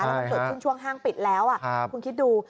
แล้วมันเกิดขึ้นช่วงห้างปิดแล้วคุณคิดดู